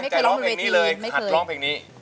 ไม่เคยร้องเพลงนี้เลย